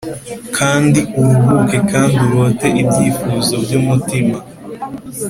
kandi uruhuke kandi urote ibyifuzo byumutima.